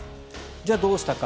じゃあ、どうしたか。